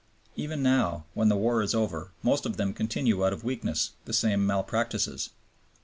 Even now, when the war is over, most of them continue out of weakness the same malpractices.